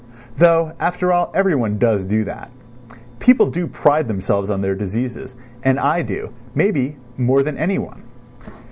Though, after all, everyone does do that; people do pride themselves on their diseases, and I do, may be, more than anyone.